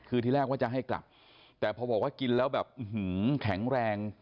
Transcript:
คือที่แรกว่าจะให้กลับแต่พอบอกว่ากินแล้วแบบแข็งแรง